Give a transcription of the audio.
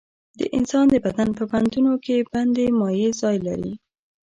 د انسان د بدن په بندونو کې بندي مایع ځای لري.